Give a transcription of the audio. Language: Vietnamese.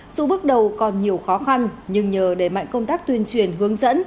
dù bước đầu còn nhiều khó khăn nhưng nhờ đẩy mạnh công tác tuyên truyền hướng dẫn